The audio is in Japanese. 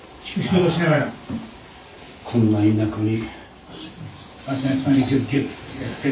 こんな田舎に。